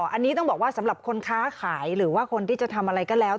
อันนี้ต้องบอกว่าสำหรับคนค้าขายหรือว่าคนที่จะทำอะไรก็แล้ว